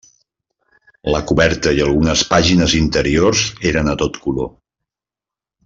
La coberta i algunes pàgines interiors eren a tot color.